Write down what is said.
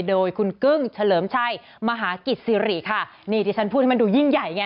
โดยคุณกึ้งเฉลิมชัยมหากิจสิริค่ะนี่ที่ฉันพูดให้มันดูยิ่งใหญ่ไง